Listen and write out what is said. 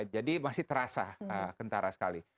jadi masih terasa kentara sekali